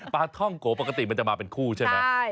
ปลาท่องโกปกติมันจะมาเป็นคู่ใช่ไหม